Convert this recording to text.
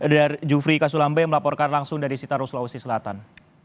darjufri kasulambe melaporkan langsung dari sitaro sulawesi selatan